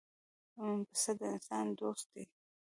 پسه د انسان دوست دی.